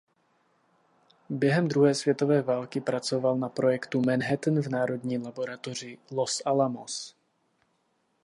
Během druhé světové války pracoval na projektu Manhattan v Národní laboratoři Los Alamos.